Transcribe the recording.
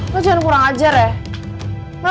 lo cuma kurang ajar ya